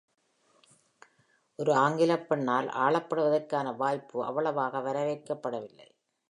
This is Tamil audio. ஒரு ஆங்கிலப் பெண்ணால் ஆளப்படுவதற்கான வாய்ப்பு அவ்வளவாக வரவேற்கப்படவில்லை.